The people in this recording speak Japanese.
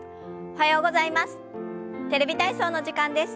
おはようございます。